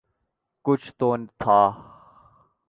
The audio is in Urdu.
کچھ تو تھا۔